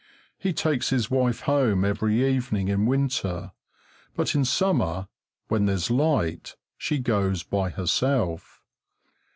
He takes his wife home every evening in winter, but in summer, when there's light, she goes by herself.